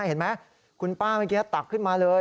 เห็นไหมคุณป้าเมื่อกี้ตักขึ้นมาเลย